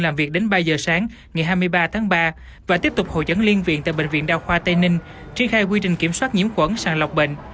làm việc đến ba giờ sáng ngày hai mươi ba tháng ba và tiếp tục hội chẩn liên viện tại bệnh viện đa khoa tây ninh triển khai quy trình kiểm soát nhiễm khuẩn sàng lọc bệnh